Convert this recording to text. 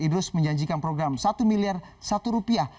idrus menjanjikan program satu miliar satu rupiah